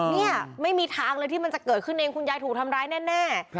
เนี่ยไม่มีทางเลยที่มันจะเกิดขึ้นเองคุณยายถูกทำร้ายแน่